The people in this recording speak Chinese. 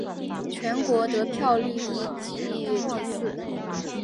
全国得票率亦居第四。